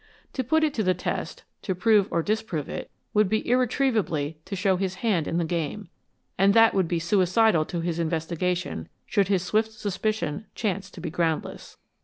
To put it to the test, to prove or disprove it, would be irretrievably to show his hand in the game, and that would be suicidal to his investigation should his swift suspicion chance to be groundless.